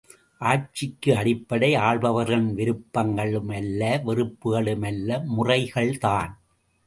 ஆட்சிக்கு அடிப்படை ஆள்பவர்களின் விருப்பங்களும் அல்ல வெறுப்புகளும் அல்ல, முறை கள்தான்!